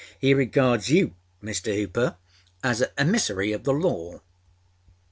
âHe regards you, Mr. Hooper, as a emissary of the Law.